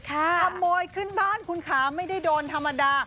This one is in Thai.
ขโมยขึ้นบ้านคุณคะไม่ได้โดนธรรมดา